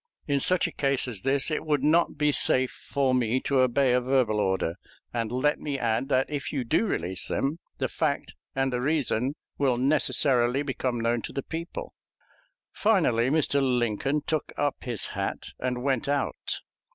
In such a case as this it would not be safe for me to obey a verbal order; and let me add that if you do release them the fact and the reason will necessarily become known to the people." Finally Mr. Lincoln took up his hat and went out.